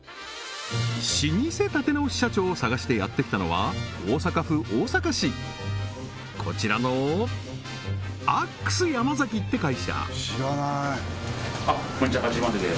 老舗立て直し社長を探してやってきたのは大阪府大阪市こちらのアックスヤマザキって会社こんにちは「がっちりマンデー！！」